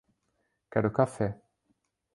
Quero café!